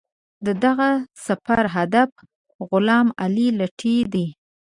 د دغه سفر هدف غلام علي لیتي دی.